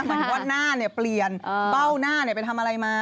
เหมือนว่าหน้าเปลี่ยนเบ้าหน้าไปทำอะไรมา